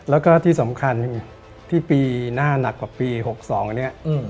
แล้วก็ที่สำคัญที่ปีหน้าหนักกว่าปี๖๒อันนี้